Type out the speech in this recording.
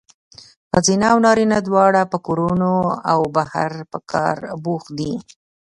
ښځینه او نارینه دواړه په کورونو او بهر کې په کار بوخت دي.